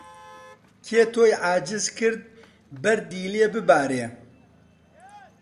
کێ تۆی عاجز کرد بەردی لێ ببارێ